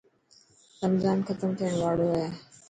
رمضان ختم ٿيڻ واڙو هي.